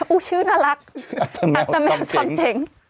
อู้วชื่อน่ารักอัตเมลซัมเจ๋ง